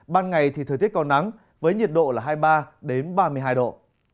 ban ngày thì thời tiết có nắng với nhiệt độ là hai mươi ba ba mươi hai độ